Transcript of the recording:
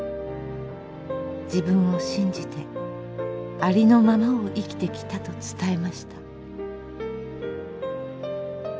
自分を信じてありのままを生きてきたと伝えました。